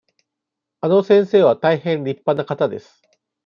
あの先生は大変りっぱな方です。